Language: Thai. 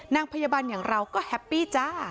นางพยาบาลอย่างเราก็แฮปปี้จ้า